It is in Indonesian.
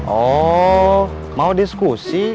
oh mau diskusi